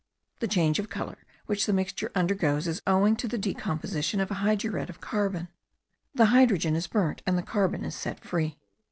The change of colour which the mixture undergoes is owing to the decomposition of a hydruret of carbon; the hydrogen is burned, and the carbon is set free.